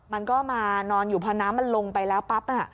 มันก็มานอนอยู่พอน้ำมันลงไปแล้วปั๊บ